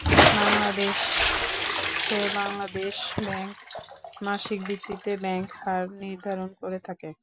বাংলাদেশে, বাংলাদেশ ব্যাংক মাসিক ভিত্তিতে ব্যাংক হার নির্ধারণ করে থাকে।